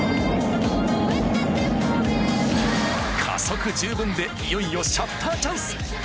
加速十分でいよいよシャッターチャンス。